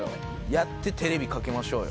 やってテレビかけましょうよ。